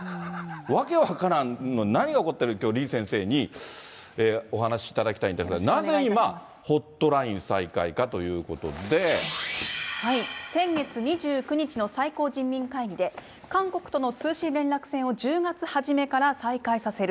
訳分からんのに、何が起こってるのか李先生にお話しいただきたいんですが、なぜ今、先月２９日の最高人民会議で、韓国との通信連絡線を１０月初めから再開させる。